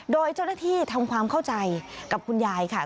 โดยเจ้าหน้าที่ทำความเข้าใจกับคุณยายค่ะ